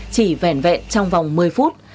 chỉ vẻn vẹn trong vòng một mươi phút